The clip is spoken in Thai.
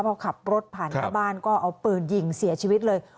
พอขับรถผ่านหน้าบ้านก็เอาปืนยิงเสียชีวิตเลย